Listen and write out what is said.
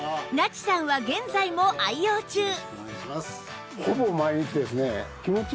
那智さんは現在も愛用中